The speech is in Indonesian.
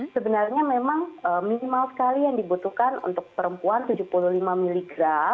sebenarnya memang minimal sekali yang dibutuhkan untuk perempuan tujuh puluh lima mg